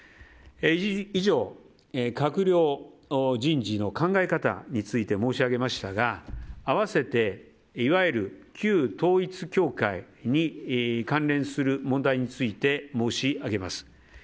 以上、閣僚人事の考え方について申し上げましたが併せて、いわゆる旧統一教会に関連する問題について申し上げます。